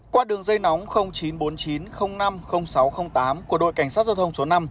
qua đường dây nóng chín trăm bốn mươi chín năm sáu trăm linh tám của đội cảnh sát giao thông số năm